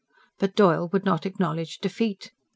But Doyle would not acknowledge defeat.